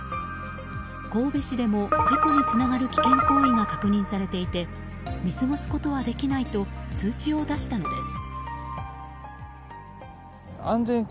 神戸市でも事故につながる危険行為が確認されていて見過ごすことはできないと通知を出したのです。